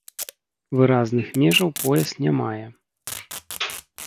Выразных межаў пояс не мае.